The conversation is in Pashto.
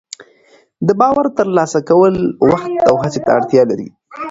د باور ترلاسه کول وخت او هڅې ته اړتیا لري.